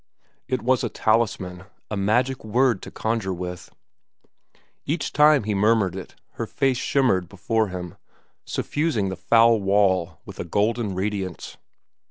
It was a talisman, a magic word to conjure with. Each time he murmured it, her face shimmered before him, suffusing the foul wall with a golden radiance.